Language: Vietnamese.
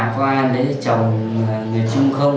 có ai lấy chồng người trung không